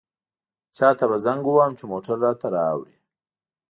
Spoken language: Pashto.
چاته به زنګ ووهم چې موټر راته راوړي.